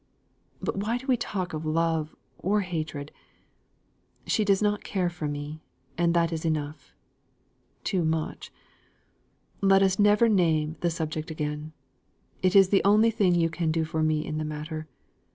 But why do we talk of love or hatred? She does not care for me, and that is enough, too much. Let us never name the subject again. It is the only thing you can do for me in the matter.